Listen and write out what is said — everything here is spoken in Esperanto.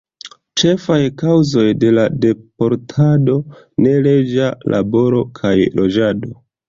Ĉefaj kaŭzoj de la deportado: neleĝa laboro kaj loĝado.